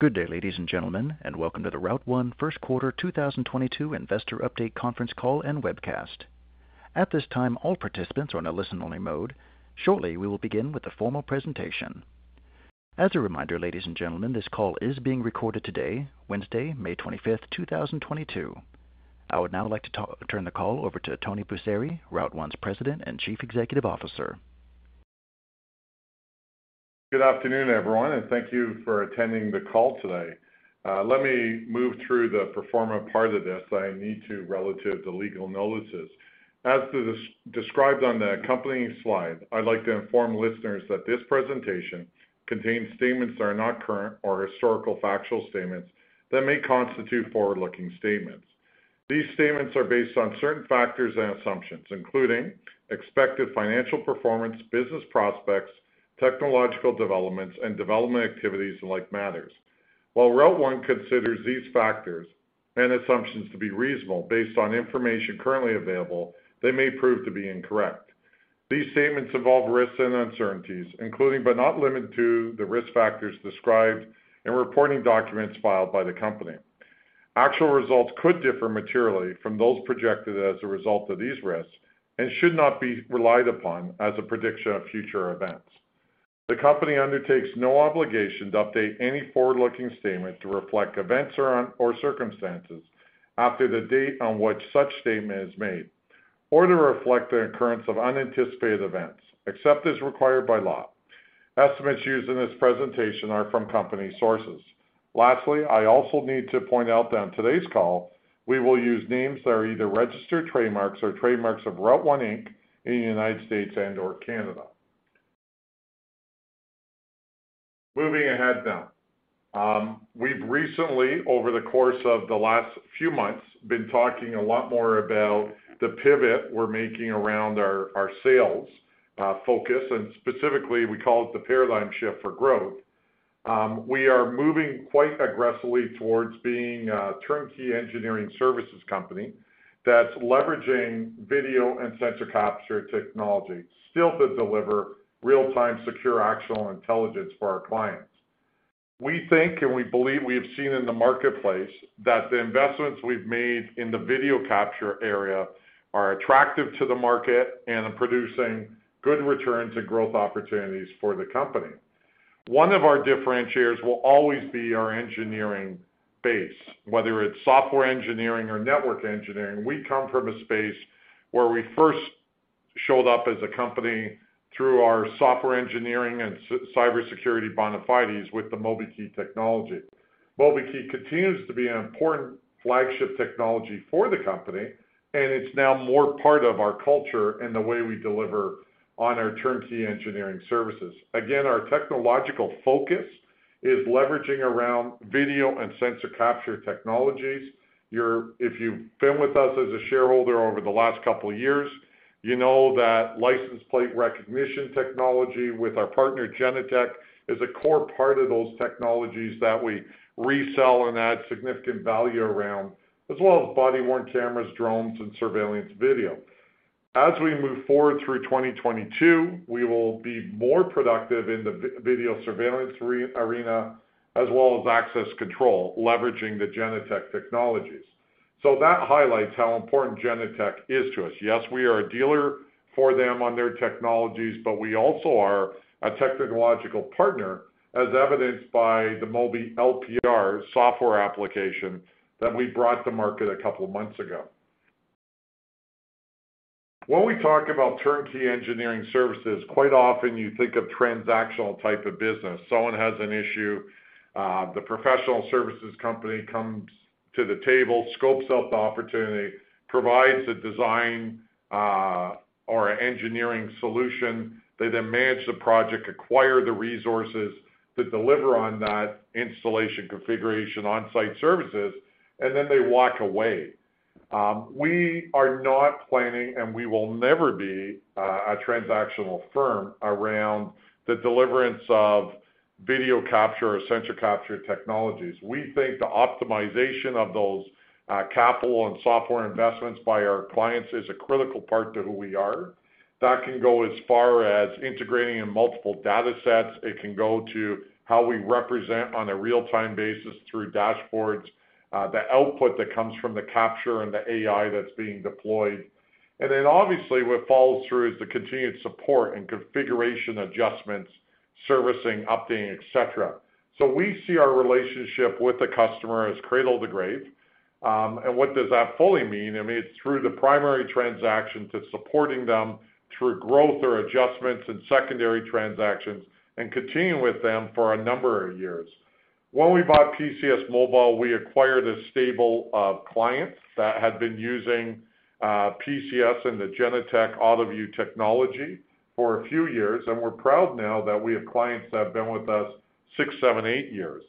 Good day, ladies and gentlemen, and welcome to the Route1 Inc. First Quarter 2022 Investor Update Conference Call and Webcast. At this time, all participants are in a listen-only mode. Shortly, we will begin with the formal presentation. As a reminder, ladies and gentlemen, this call is being recorded today, Wednesday, May 25th, 2022. I would now like to turn the call over to Tony Busseri, Route1 Inc.'s President and Chief Executive Officer. Good afternoon, everyone, and thank you for attending the call today. Let me move through the pro forma part of this that I need to relay the legal notices. As described on the accompanying slide, I'd like to inform listeners that this presentation contains statements that are not current or historical factual statements that may constitute forward-looking statements. These statements are based on certain factors and assumptions, including expected financial performance, business prospects, technological developments, and development activities and like matters. While Route1 considers these factors and assumptions to be reasonable based on information currently available, they may prove to be incorrect. These statements involve risks and uncertainties, including, but not limited to, the risk factors described in reporting documents filed by the company. Actual results could differ materially from those projected as a result of these risks and should not be relied upon as a prediction of future events. The company undertakes no obligation to update any forward-looking statement to reflect events or unanticipated circumstances after the date on which such statement is made or to reflect the occurrence of unanticipated events, except as required by law. Estimates used in this presentation are from company sources. Lastly, I also need to point out that on today's call, we will use names that are either registered trademarks or trademarks of Route1 Inc. in the United States and/or Canada. Moving ahead now. We've recently, over the course of the last few months, been talking a lot more about the pivot we're making around our sales focus, and specifically, we call it the paradigm shift for growth. We are moving quite aggressively towards being a turnkey engineering services company that's leveraging video and sensor capture technology still to deliver real-time, secure, actual intelligence for our clients. We think and we believe we have seen in the marketplace that the investments we've made in the video capture area are attractive to the market and are producing good returns and growth opportunities for the company. One of our differentiators will always be our engineering base. Whether it's software engineering or network engineering, we come from a space where we first showed up as a company through our software engineering and cybersecurity bona fides with the MobiKEY technology. MobiKEY continues to be an important flagship technology for the company, and it's now more part of our culture and the way we deliver on our turnkey engineering services. Again, our technological focus is leveraging around video and sensor capture technologies. If you've been with us as a shareholder over the last couple of years, you know that license plate recognition technology with our partner, Genetec, is a core part of those technologies that we resell and add significant value around, as well as body-worn cameras, drones, and surveillance video. As we move forward through 2022, we will be more productive in the video surveillance arena as well as access control, leveraging the Genetec technologies. That highlights how important Genetec is to us. Yes, we are a dealer for them on their technologies, but we also are a technological partner, as evidenced by the MobiLPR software application that we brought to market a couple of months ago. When we talk about turnkey engineering services, quite often you think of transactional type of business. Someone has an issue, the professional services company comes to the table, scopes out the opportunity, provides a design, or engineering solution. They then manage the project, acquire the resources to deliver on that installation configuration on-site services, and then they walk away. We are not planning, and we will never be, a transactional firm around the deliverance of video capture or sensor capture technologies. We think the optimization of those, capital and software investments by our clients is a critical part to who we are. That can go as far as integrating in multiple datasets. It can go to how we represent on a real-time basis through dashboards, the output that comes from the capture and the AI that's being deployed. Then obviously, what follows through is the continued support and configuration adjustments, servicing, updating, et cetera. We see our relationship with the customer as cradle to grave. What does that fully mean? I mean, it's through the primary transaction to supporting them through growth or adjustments and secondary transactions and continuing with them for a number of years. When we bought PCS Mobile, we acquired a stable of clients that had been using PCS and the Genetec AutoVu technology for a few years, and we're proud now that we have clients that have been with us six, seven, eight years.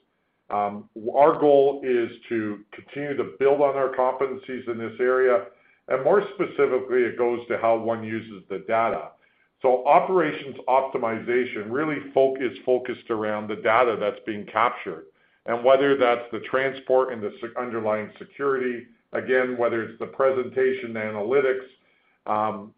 Our goal is to continue to build on our competencies in this area, and more specifically, it goes to how one uses the data. Operations optimization really is focused around the data that's being captured and whether that's the transport and the underlying security, again, whether it's the presentation analytics,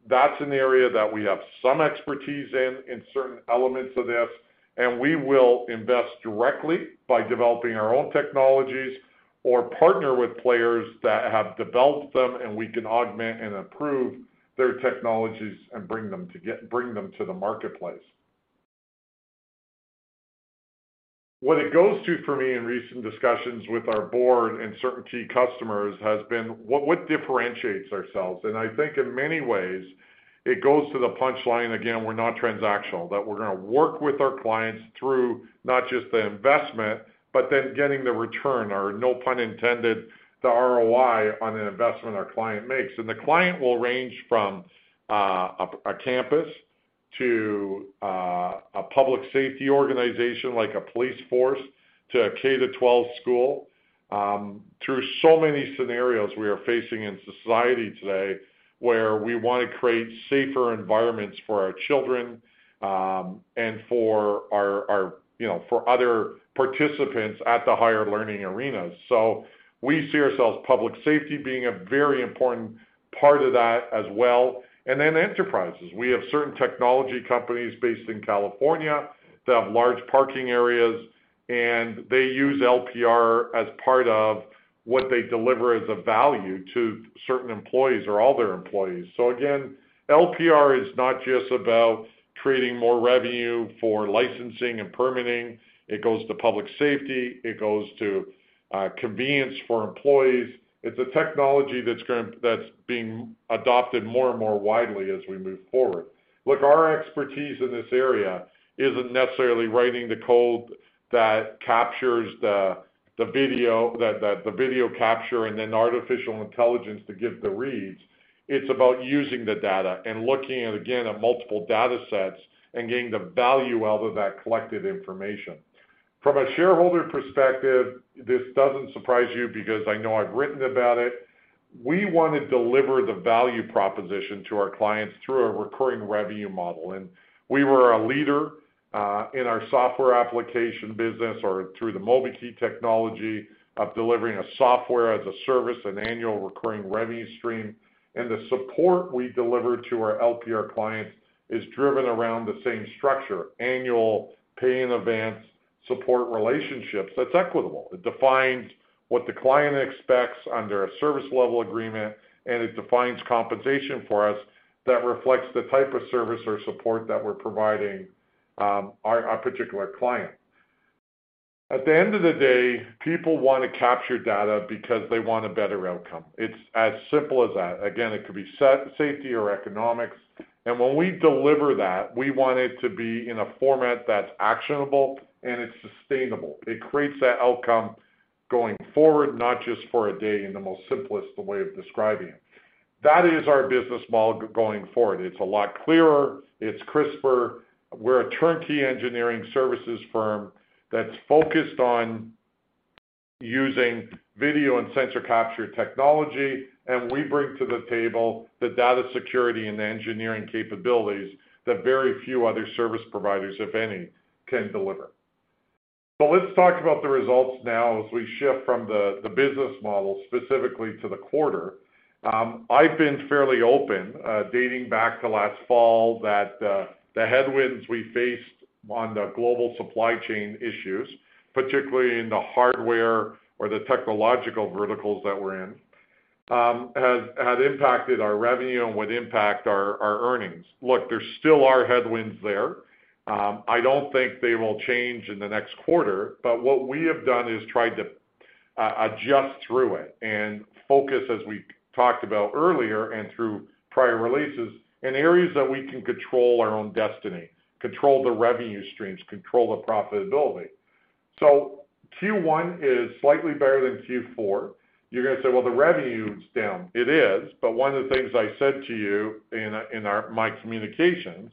that's an area that we have some expertise in certain elements of this, and we will invest directly by developing our own technologies or partner with players that have developed them and we can augment and improve their technologies and bring them to the marketplace. What it goes to for me in recent discussions with our board and certain key customers has been what differentiates ourselves? I think in many ways it goes to the punch line, again, we're not transactional. That we're gonna work with our clients through not just the investment, but then getting the return or, no pun intended, the ROI on an investment our client makes. The client will range from a campus to a public safety organization like a police force, to a K-12 school, through so many scenarios we are facing in society today, where we wanna create safer environments for our children, and for our you know for other participants at the higher learning arenas. We see ourselves public safety being a very important part of that as well. Then enterprises. We have certain technology companies based in California that have large parking areas, and they use LPR as part of what they deliver as a value to certain employees or all their employees. Again, LPR is not just about creating more revenue for licensing and permitting. It goes to public safety, it goes to convenience for employees. It's a technology that's being adopted more and more widely as we move forward. Look, our expertise in this area isn't necessarily writing the code that captures the video capture and then artificial intelligence to give the reads. It's about using the data and looking again at multiple data sets and getting the value out of that collected information. From a shareholder perspective, this doesn't surprise you because I know I've written about it. We wanna deliver the value proposition to our clients through a recurring revenue model. We were a leader in our software application business or through the MobiKEY technology of delivering a software as a service, an annual recurring revenue stream. The support we deliver to our LPR clients is driven around the same structure, annual pay in advance support relationships that's equitable. It defines what the client expects under a service level agreement, and it defines compensation for us that reflects the type of service or support that we're providing, our particular client. At the end of the day, people wanna capture data because they want a better outcome. It's as simple as that. Again, it could be safety or economics. When we deliver that, we want it to be in a format that's actionable and it's sustainable. It creates that outcome going forward, not just for a day, in the most simplest way of describing it. That is our business model going forward. It's a lot clearer. It's crisper. We're a turnkey engineering services firm that's focused on using video and sensor capture technology, and we bring to the table the data security and the engineering capabilities that very few other service providers, if any, can deliver. Let's talk about the results now as we shift from the business model specifically to the quarter. I've been fairly open dating back to last fall that the headwinds we faced on the global supply chain issues, particularly in the hardware or the technological verticals that we're in, had impacted our revenue and would impact our earnings. Look, there still are headwinds there. I don't think they will change in the next quarter. What we have done is tried to adjust through it and focus, as we talked about earlier and through prior releases, in areas that we can control our own destiny, control the revenue streams, control the profitability. Q1 is slightly better than Q4. You're gonna say, "Well, the revenue's down." It is. One of the things I said to you in my communications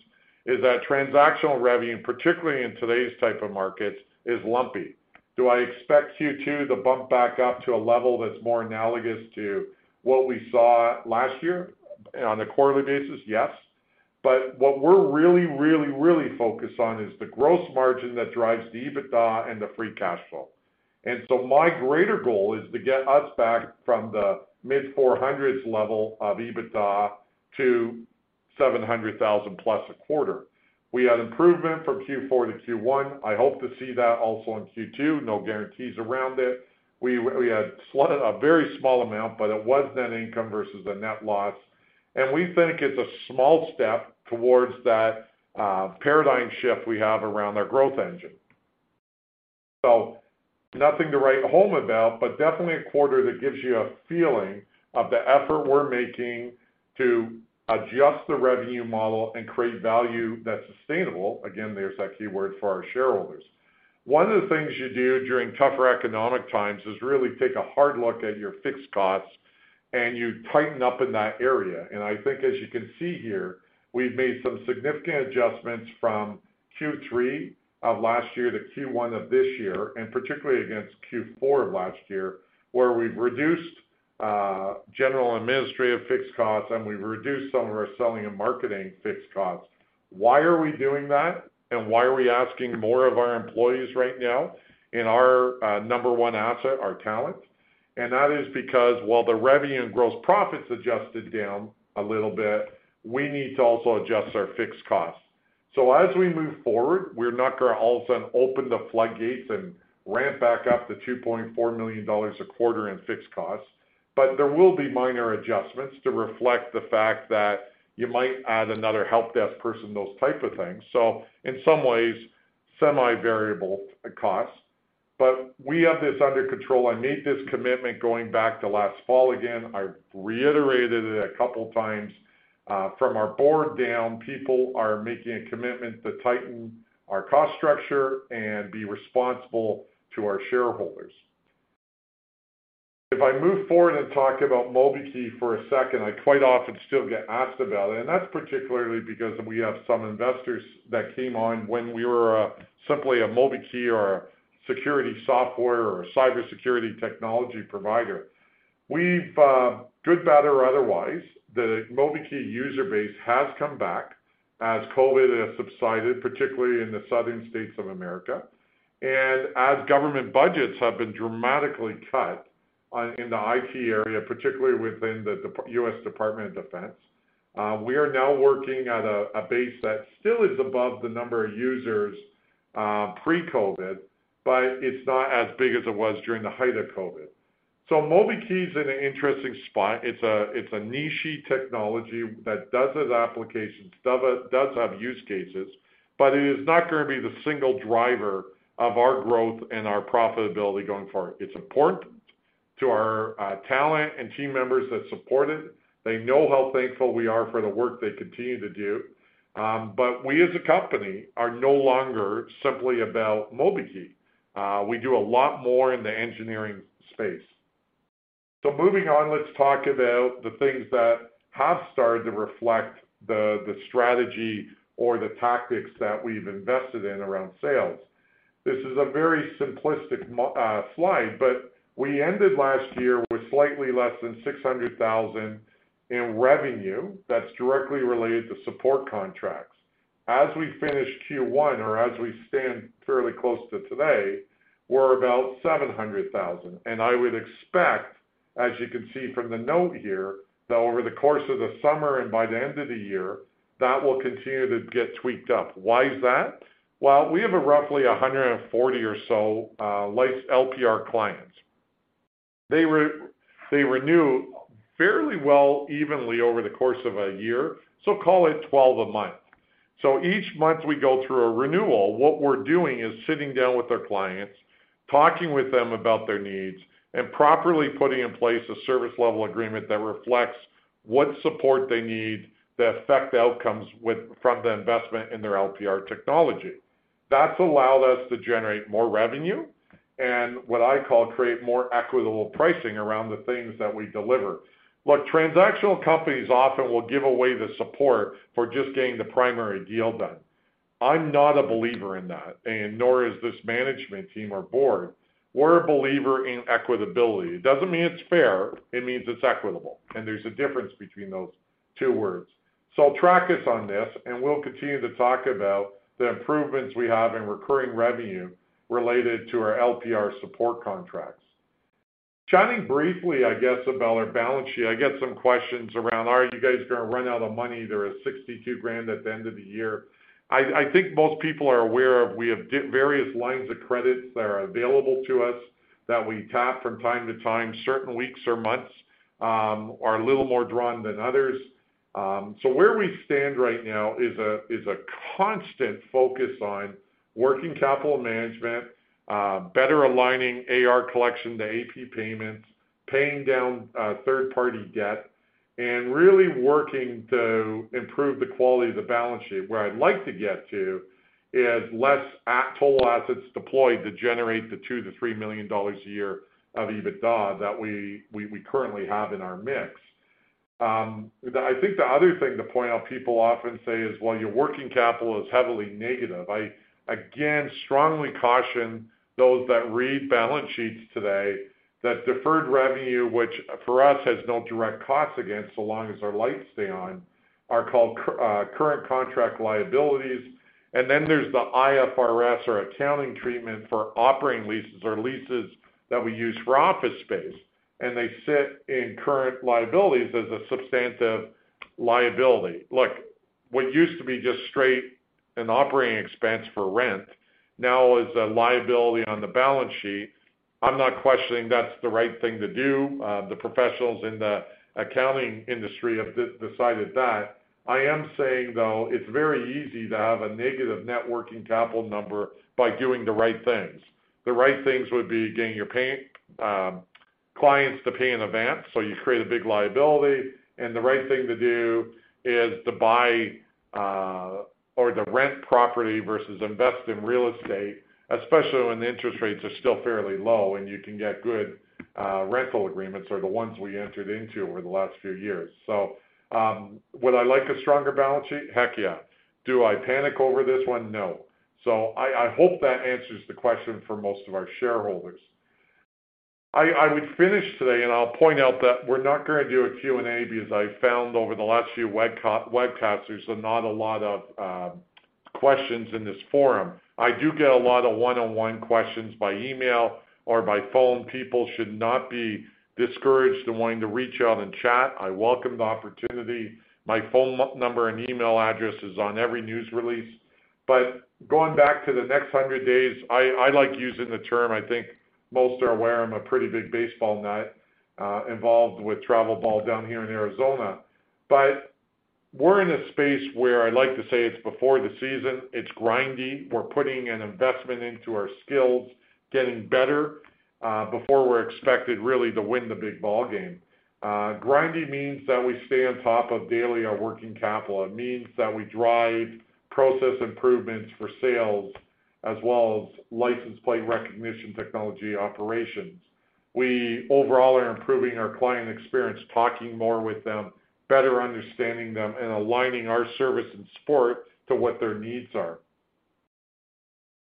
is that transactional revenue, particularly in today's type of markets, is lumpy. Do I expect Q2 to bump back up to a level that's more analogous to what we saw last year on a quarterly basis? Yes. What we're really focused on is the gross margin that drives the EBITDA and the free cash flow. My greater goal is to get us back from the mid-CAD 400,000s level of EBITDA to 700,000+ a quarter. We had improvement from Q4 to Q1. I hope to see that also in Q2. No guarantees around it. We had a very small amount, but it was net income versus the net loss. We think it's a small step towards that paradigm shift we have around our growth engine. Nothing to write home about, but definitely a quarter that gives you a feeling of the effort we're making to adjust the revenue model and create value that's sustainable. Again, there's that keyword for our shareholders. One of the things you do during tougher economic times is really take a hard look at your fixed costs and you tighten up in that area. I think as you can see here, we've made some significant adjustments from Q3 of last year to Q1 of this year, and particularly against Q4 of last year, where we've reduced general administrative fixed costs and we've reduced some of our selling and marketing fixed costs. Why are we doing that? Why are we asking more of our employees right now in our number one asset, our talent? That is because while the revenue and gross profits adjusted down a little bit, we need to also adjust our fixed costs. As we move forward, we're not gonna all of a sudden open the floodgates and ramp back up to 2.4 million dollars a quarter in fixed costs. But there will be minor adjustments to reflect the fact that you might add another helpdesk person, those type of things. In some ways, semi-variable costs. But we have this under control. I made this commitment going back to last fall again. I reiterated it a couple times from our board down, people are making a commitment to tighten our cost structure and be responsible to our shareholders. If I move forward and talk about MobiKEY for a second, I quite often still get asked about it, and that's particularly because we have some investors that came on when we were simply a MobiKEY or a security software or a cybersecurity technology provider. We've good, bad, or otherwise, the MobiKEY user base has come back as COVID has subsided, particularly in the southern states of America. As government budgets have been dramatically cut in the IT area, particularly within the U.S. Department of Defense, we are now working at a base that still is above the number of users pre-COVID, but it's not as big as it was during the height of COVID. MobiKEY's in an interesting spot. It's a niche-y technology that does have applications and use cases, but it is not gonna be the single driver of our growth and our profitability going forward. It's important to our talent and team members that support it. They know how thankful we are for the work they continue to do. We as a company are no longer simply about MobiKEY. We do a lot more in the engineering space. Moving on, let's talk about the things that have started to reflect the strategy or the tactics that we've invested in around sales. This is a very simplistic slide, but we ended last year with slightly less than 600,000 in revenue that's directly related to support contracts. As we finish Q1, or as we stand fairly close to today, we're about 700,000. I would expect, as you can see from the note here, that over the course of the summer and by the end of the year, that will continue to get tweaked up. Why is that? Well, we have a roughly 140 or so LPR clients. They renew fairly well evenly over the course of a year, so call it 12 a month. Each month we go through a renewal, what we're doing is sitting down with our clients, talking with them about their needs, and properly putting in place a service level agreement that reflects what support they need to affect outcomes from the investment in their LPR technology. That's allowed us to generate more revenue and what I call create more equitable pricing around the things that we deliver. Look, transactional companies often will give away the support for just getting the primary deal done. I'm not a believer in that, and nor is this management team or board. We're a believer in equitability. It doesn't mean it's fair, it means it's equitable, and there's a difference between those two words. Track us on this, and we'll continue to talk about the improvements we have in recurring revenue related to our LPR support contracts. Speaking briefly, I guess, about our balance sheet. I get some questions around, are you guys gonna run out of money? There is 62 thousand at the end of the year. I think most people are aware of we have various lines of credit that are available to us that we tap from time to time. Certain weeks or months are a little more drawn than others. Where we stand right now is a constant focus on working capital management, better aligning AR collection to AP payments, paying down third-party debt, and really working to improve the quality of the balance sheet. Where I'd like to get to is less total assets deployed to generate the 2 million-3 million dollars a year of EBITDA that we currently have in our mix. I think the other thing to point out people often say is, "Well, your working capital is heavily negative." I again strongly caution those that read balance sheets today that deferred revenue, which for us has no direct costs against so long as our lights stay on, are called current contract liabilities. There's the IFRS or accounting treatment for operating leases or leases that we use for office space, and they sit in current liabilities as a substantive liability. Look, what used to be just straight an operating expense for rent now is a liability on the balance sheet. I'm not questioning that's the right thing to do. The professionals in the accounting industry have decided that. I am saying, though, it's very easy to have a negative net working capital number by doing the right things. The right things would be getting your pay, clients to pay in advance, so you create a big liability, and the right thing to do is to buy, or to rent property versus invest in real estate, especially when the interest rates are still fairly low and you can get good rental agreements or the ones we entered into over the last few years. Would I like a stronger balance sheet? Heck yeah. Do I panic over this one? No. I hope that answers the question for most of our shareholders. I would finish today, and I'll point out that we're not gonna do a Q&A because I found over the last few webcasts, there's not a lot of questions in this forum. I do get a lot of one-on-one questions by email or by phone. People should not be discouraged in wanting to reach out and chat. I welcome the opportunity. My phone number and email address is on every news release. Going back to the next 100 days, I like using the term. I think most are aware I'm a pretty big baseball nut, involved with travel ball down here in Arizona. We're in a space where I like to say it's before the season, it's grindy. We're putting an investment into our skills, getting better, before we're expected really to win the big ball game. Grindy means that we stay on top of daily our working capital. It means that we drive process improvements for sales as well as license plate recognition technology operations. We overall are improving our client experience, talking more with them, better understanding them, and aligning our service and support to what their needs are.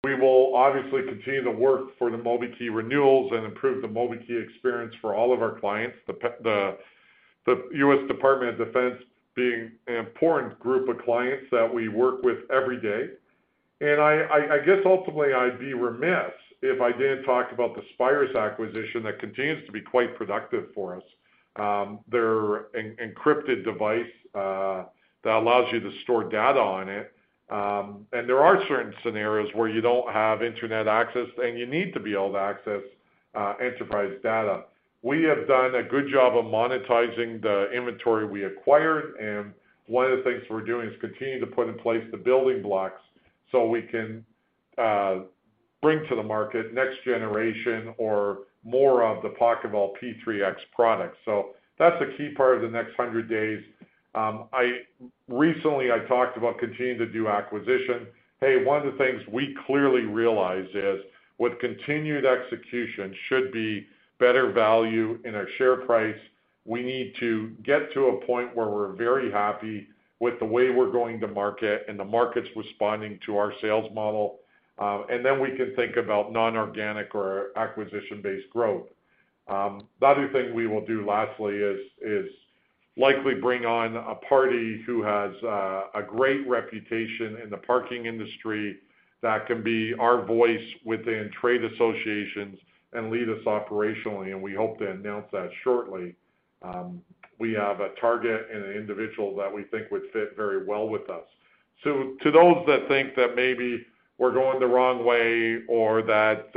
We will obviously continue to work for the MobiKEY renewals and improve the MobiKEY experience for all of our clients. The U.S. Department of Defense being an important group of clients that we work with every day. I guess ultimately I'd be remiss if I didn't talk about the Spyrus acquisition that continues to be quite productive for us. Their encrypted device that allows you to store data on it, and there are certain scenarios where you don't have internet access and you need to be able to access enterprise data. We have done a good job of monetizing the inventory we acquired, and one of the things we're doing is continue to put in place the building blocks so we can bring to the market next generation or more of the PocketVault P-3X product. That's a key part of the next hundred days. Recently I talked about continuing to do acquisition. Hey, one of the things we clearly realize is what continued execution should be better value in our share price. We need to get to a point where we're very happy with the way we're going to market and the market's responding to our sales model, and then we can think about non-organic or acquisition-based growth. The other thing we will do lastly is likely bring on a party who has a great reputation in the parking industry that can be our voice within trade associations and lead us operationally, and we hope to announce that shortly. We have a target and an individual that we think would fit very well with us. To those that think that maybe we're going the wrong way or that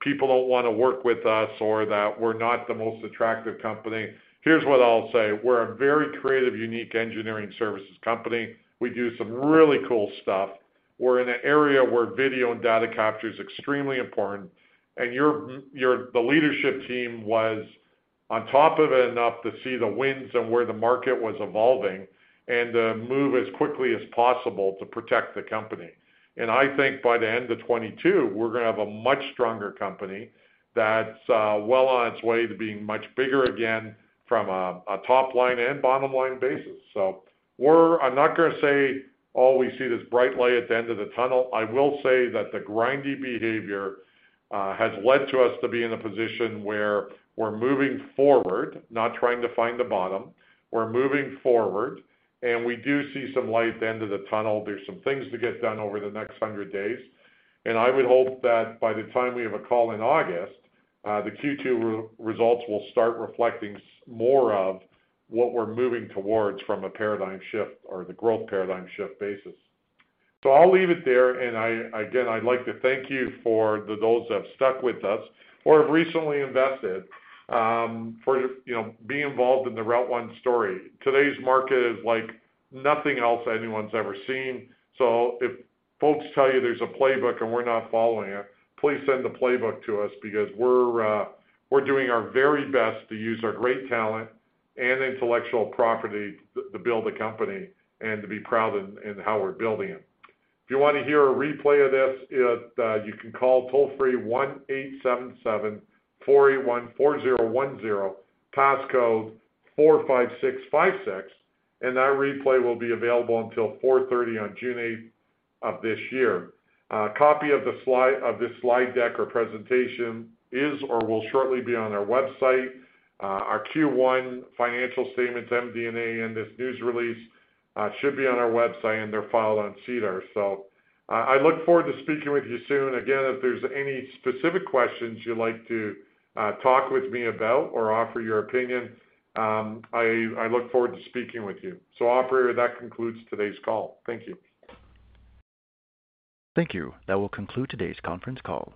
people don't wanna work with us or that we're not the most attractive company, here's what I'll say: We're a very creative, unique engineering services company. We do some really cool stuff. We're in an area where video and data capture is extremely important, and your leadership team was on top of it enough to see the winds and where the market was evolving and to move as quickly as possible to protect the company. I think by the end of 2022, we're gonna have a much stronger company that's well on its way to being much bigger again from a top line and bottom line basis. I'm not gonna say, oh, we see this bright light at the end of the tunnel. I will say that the grindy behavior has led to us to be in a position where we're moving forward, not trying to find the bottom. We're moving forward, and we do see some light at the end of the tunnel. There's some things to get done over the next 100 days. I would hope that by the time we have a call in August, the Q2 results will start reflecting more of what we're moving towards from a paradigm shift or the growth paradigm shift basis. I'll leave it there. I, again, I'd like to thank you for those that have stuck with us or have recently invested, for, you know, being involved in the Route1 story. Today's market is like nothing else anyone's ever seen. If folks tell you there's a playbook and we're not following it, please send the playbook to us because we're doing our very best to use our great talent and intellectual property to build the company and to be proud in how we're building it. If you want to hear a replay of this, you can call toll-free 1-877-414-0100, pass code 45656, and that replay will be available until 4:30 PM on June eighth of this year. A copy of this slide deck or presentation is or will shortly be on our website. Our Q1 financial statements, MD&A, and this news release should be on our website, and they're filed on SEDAR. I look forward to speaking with you soon. Again, if there's any specific questions you'd like to talk with me about or offer your opinion, I look forward to speaking with you. Operator, that concludes today's call. Thank you. Thank you. That will conclude today's conference call.